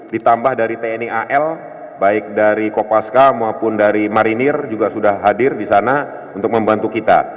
ditambah dari tni al baik dari kopaska maupun dari marinir juga sudah hadir di sana untuk membantu kita